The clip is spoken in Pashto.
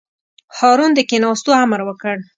هارون د کېناستو امر وکړ.